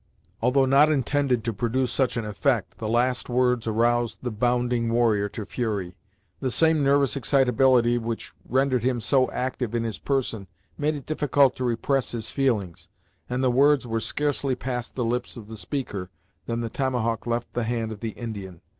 Although not intended to produce such an effect, the last words aroused the "Bounding" warrior to fury. The same nervous excitability which rendered him so active in his person, made it difficult to repress his feelings, and the words were scarcely past the lips of the speaker than the tomahawk left the hand of the Indian.